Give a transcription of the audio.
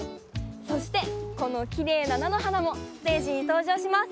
そしてこのきれいななのはなもステージにとうじょうします。